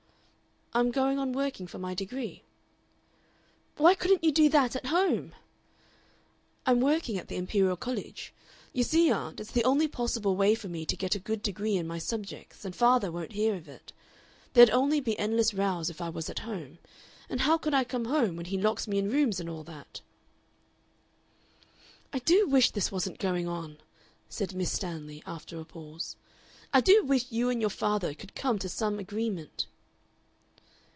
"I'm going on working for my degree." "Why couldn't you do that at home?" "I'm working at the Imperial College. You see, aunt, it's the only possible way for me to get a good degree in my subjects, and father won't hear of it. There'd only be endless rows if I was at home. And how could I come home when he locks me in rooms and all that?" "I do wish this wasn't going on," said Miss Stanley, after a pause. "I do wish you and your father could come to some agreement."